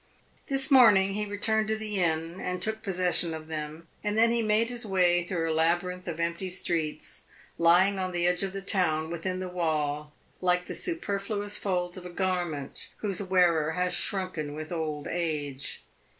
This morning he returned to the inn and took possession of them, and then he made his way through a labyrinth of empty streets, lying on the edge of the town, within the wall, like the superfluous folds of a garment whose wearer has shrunken with old age.